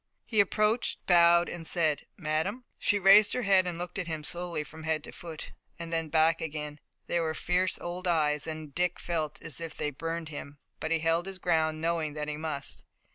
He approached, bowed and said: "Madame!" She raised her head and looked at him slowly from head to foot, and then back again. They were fierce old eyes, and Dick felt as if they burned him, but he held his ground knowing that he must.